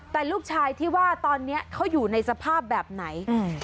แต่ลูกชายที่ว่าตอนนี้เขาอยู่ในสภาพแบบไหน